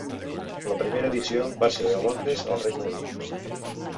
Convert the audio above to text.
La primera edició va ser a Londres al Regne Unit.